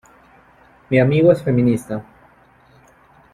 Mi amigo es feminista